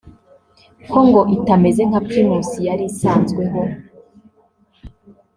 ko ngo itameze nka Primus yari isanzweho